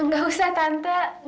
gak usah tante